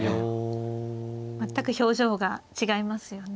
全く表情が違いますよね。